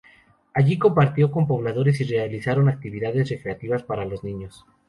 Allí compartió con pobladores y realizaron actividades recreativas para los niños.